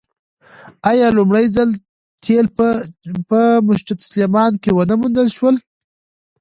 آیا لومړی ځل تیل په مسجد سلیمان کې ونه موندل شول؟